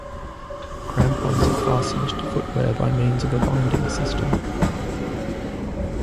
Crampons are fastened to footwear by means of a binding system.